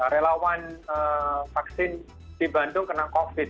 relawan vaksin di bandung kena covid